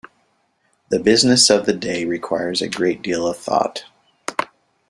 The business of the day requires a great deal of thought.